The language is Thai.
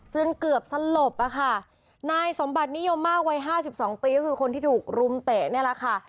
เกือบสลบอะค่ะนายสมบัตินิยมมากวัยห้าสิบสองปีก็คือคนที่ถูกรุมเตะเนี่ยแหละค่ะ